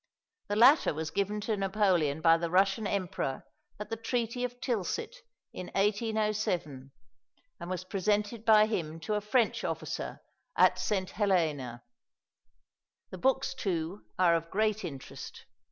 The latter was given to Napoleon by the Russian emperor at the treaty of Tilsit in 1807, and was presented by him to a French officer at St. Helena. The books, too, are of great interest.